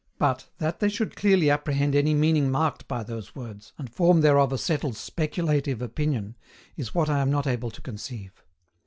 But, that they should clearly apprehend any meaning marked by those words, and form thereof a settled SPECULATIVE opinion, is what I am not able to conceive.